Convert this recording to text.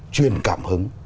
truyền cảm hứng